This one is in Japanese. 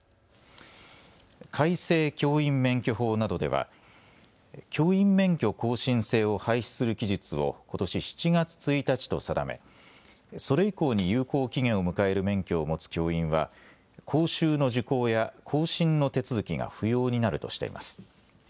改正教員免許法などでは教員免許更新制を廃止する期日をことし７月１日と定めそれ以降に有効期限を迎える免許を持つ教員は講習の受講や更新の手続きが不要になるとしています。